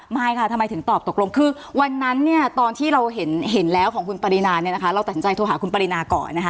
ไม่ค่ะทำไมถึงตอบตกลงคือวันนั้นเนี่ยตอนที่เราเห็นแล้วของคุณปรินาเนี่ยนะคะเราตัดสินใจโทรหาคุณปรินาก่อนนะคะ